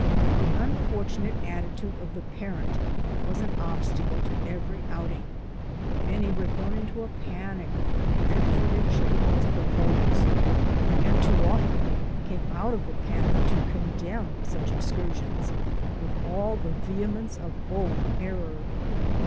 The unfortunate attitude of the parent was an obstacle to every outing. Many were thrown al most into a panic when a trip for their children was proposed, and too often came out of the panic to condemn such excursions with all the vehemence of old error.